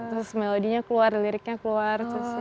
terus melodinya keluar liriknya keluar